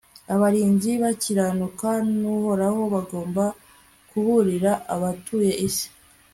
abarinzi bakiranuka b'uhoraho bagomba kuburira abatuye isi